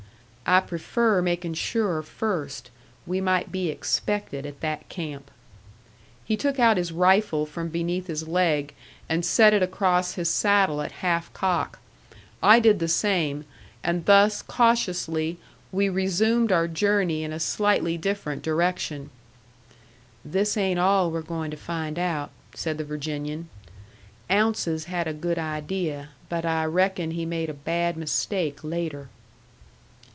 "I prefer making sure first. We might be expected at that camp." He took out his rifle from beneath his leg and set it across his saddle at half cock. I did the same; and thus cautiously we resumed our journey in a slightly different direction. "This ain't all we're going to find out," said the Virginian. "Ounces had a good idea; but I reckon he made a bad mistake later."